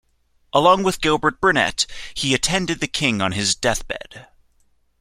Along with Gilbert Burnet he attended the King on his deathbed.